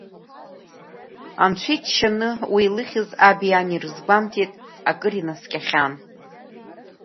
Анцәа иџьшьаны уи илыхьыз аби ани ирызгәамҭеит, акыр инаскьахьан.